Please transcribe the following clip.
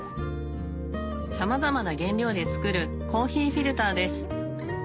さまざまな原料で作るコーヒーフィルターです